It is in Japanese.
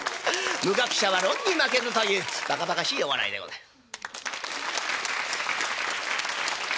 無学者は論に負けずというばかばかしいお笑いでございます。